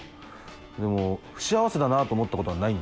でも不幸せだなと思ったことはないんです。